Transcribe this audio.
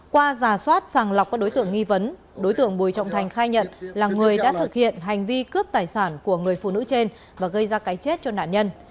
qua giả soát sàng lọc các đối tượng nghi vấn đối tượng bùi trọng thành khai nhận là người đã thực hiện hành vi cướp tài sản của người phụ nữ trên và gây ra cái chết cho nạn nhân